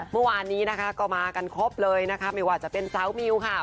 เมื่อวานนี้นะคะก็มากันครบเลยนะคะไม่ว่าจะเป็นสาวมิวค่ะ